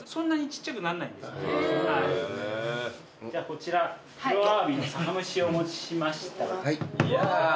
こちら黒アワビの酒蒸をお持ちしました。